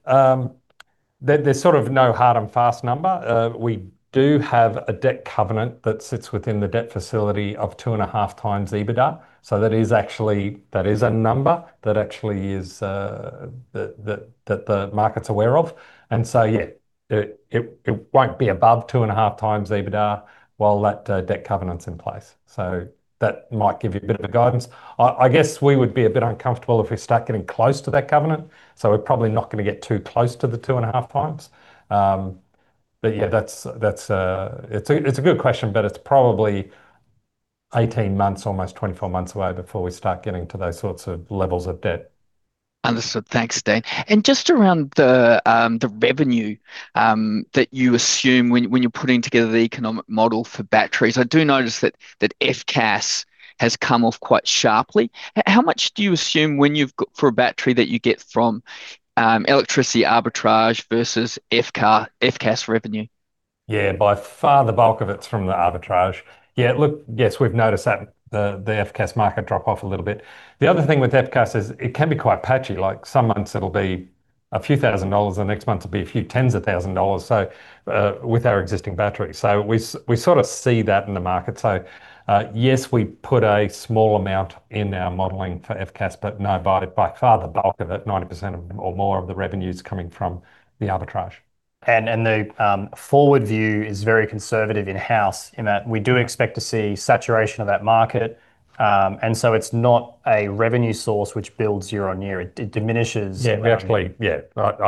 there, there's sort of no hard and fast number. We do have a debt covenant that sits within the debt facility of 2.5 times EBITDA, so that is actually, that is a number that actually is, that the market's aware of. And so, yeah, it won't be above 2.5 times EBITDA while that debt covenant's in place. So that might give you a bit of a guidance. I guess we would be a bit uncomfortable if we start getting close to that covenant, so we're probably not gonna get too close to the 2.5x. But yeah, that's a good question, but it's probably 18 months, almost 24 months away before we start getting to those sorts of levels of debt. Understood. Thanks, Dean. Just around the revenue that you assume when you're putting together the economic model for batteries. I do notice that FCAS has come off quite sharply. How much do you assume when you've got for a battery that you get from electricity arbitrage versus FCAS revenue? Yeah, by far, the bulk of it's from the arbitrage. Yeah, look, yes, we've noticed that the FCAS market drop off a little bit. The other thing with FCAS is it can be quite patchy. Like, some months it'll be a few thousand AUD, the next month will be a few tens of thousand AUD, so, with our existing battery. So we sort of see that in the market. So, yes, we put a small amount in our modeling for FCAS, but no, by, by far, the bulk of it, 90% or more of the revenue is coming from the arbitrage. The forward view is very conservative in-house, in that we do expect to see saturation of that market, and so it's not a revenue source which builds year on year. It diminishes- Yeah, I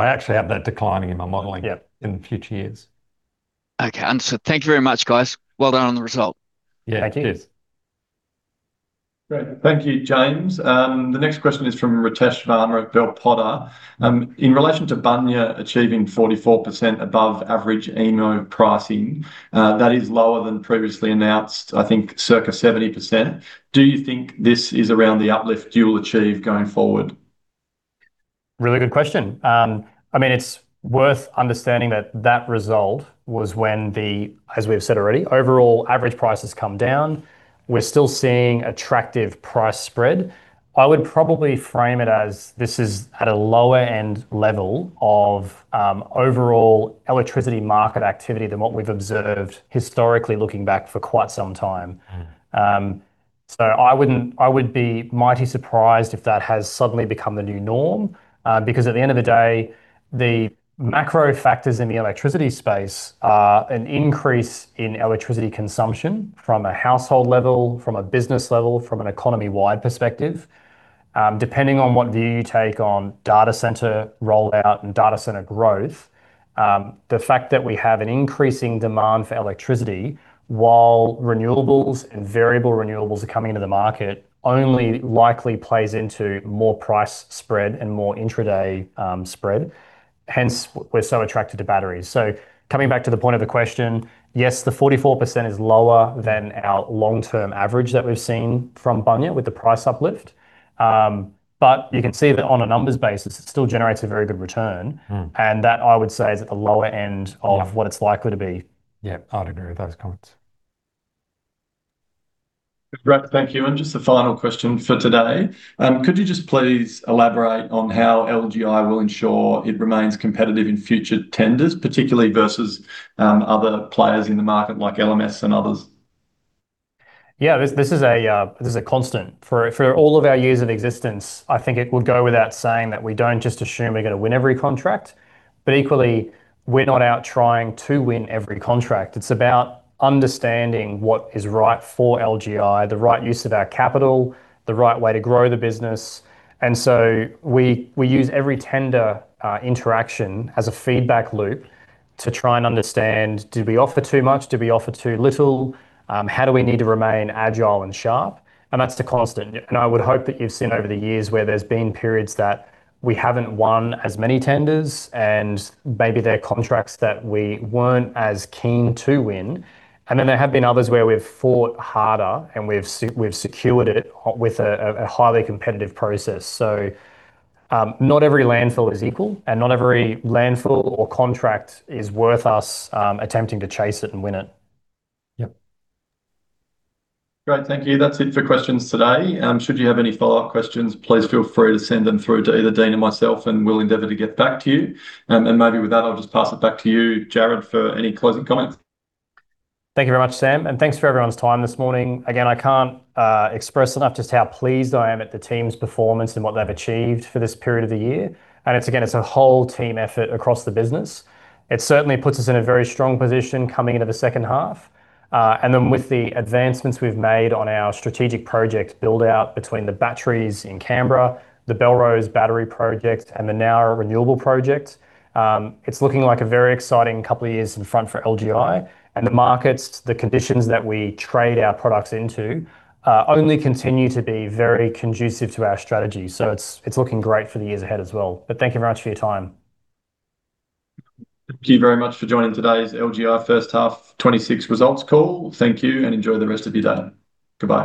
actually have that declining in my modeling. Yeah in future years. Okay, understood. Thank you very much, guys. Well done on the result. Yeah. Thank you. Great. Thank you, James. The next question is from Ritesh Varma at Bell Potter. In relation to Bunya achieving 44% above average AEMO pricing, that is lower than previously announced, I think circa 70%. Do you think this is around the uplift you will achieve going forward? Really good question. I mean, it's worth understanding that that result was when the, as we've said already, overall average price has come down. We're still seeing attractive price spread. I would probably frame it as this is at a lower-end level of, overall electricity market activity than what we've observed historically, looking back for quite some time. So I would be mighty surprised if that has suddenly become the new norm, because at the end of the day, the macro factors in the electricity space are an increase in electricity consumption from a household level, from a business level, from an economy-wide perspective, depending on what view you take on data center rollout and data center growth, the fact that we have an increasing demand for electricity, while renewables and variable renewables are coming into the market, only likely plays into more price spread and more intraday spread. Hence, we're so attracted to batteries. So coming back to the point of the question, yes, the 44% is lower than our long-term average that we've seen from Bunya with the price uplift. But you can see that on a numbers basis, it still generates a very good return. That, I would say, is at the lower end of what it's likely to be. Yeah, I'd agree with those comments. Great, thank you. Just a final question for today: could you just please elaborate on how LGI will ensure it remains competitive in future tenders, particularly versus, other players in the market like LMS and others? Yeah, this is a constant. For all of our years of existence, I think it would go without saying that we don't just assume we're going to win every contract, but equally, we're not out trying to win every contract. It's about understanding what is right for LGI, the right use of our capital, the right way to grow the business. And so we use every tender interaction as a feedback loop to try and understand, did we offer too much? Did we offer too little? How do we need to remain agile and sharp? And that's the constant. I would hope that you've seen over the years where there's been periods that we haven't won as many tenders, and maybe they're contracts that we weren't as keen to win, and then there have been others where we've fought harder, and we've secured it with a highly competitive process. So, not every landfill is equal, and not every landfill or contract is worth us attempting to chase it and win it. Great, thank you. That's it for questions today. Should you have any follow-up questions, please feel free to send them through to either Dean or myself, and we'll endeavor to get back to you. And maybe with that, I'll just pass it back to you, Jarryd, for any closing comments. Thank you very much, Sam, and thanks for everyone's time this morning. Again, I can't express enough just how pleased I am at the team's performance and what they've achieved for this period of the year. And it's, again, it's a whole team effort across the business. It certainly puts us in a very strong position coming into the second half. And then with the advancements we've made on our strategic project build-out between the batteries in Canberra, the Belrose Battery Project, and the Nowra Renewable Project, it's looking like a very exciting couple of years in front for LGI. And the markets, the conditions that we trade our products into, only continue to be very conducive to our strategy. So it's, it's looking great for the years ahead as well. But thank you very much for your time. Thank you very much for joining today's LGI first half 2026 results call. Thank you, and enjoy the rest of your day. Goodbye.